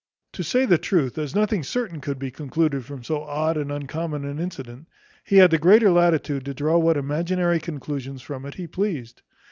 To say the truth, as nothing certain could be concluded from so odd and uncommon an incident, he had the greater latitude to draw what imaginary conclusions from it he pleased.